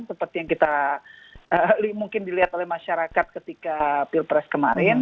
seperti yang kita mungkin dilihat oleh masyarakat ketika pilpres kemarin